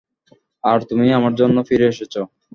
আর তুমি আমার জন্য ফিরে এসেছ।